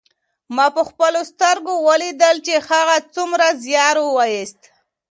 ما په خپلو سترګو ولیدل چې هغه څومره زیار ویوست.